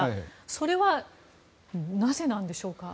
それは、なぜなんでしょうか？